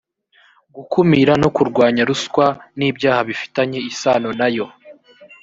gukumira no kurwanya ruswa n ibyaha bifitanye isano na yo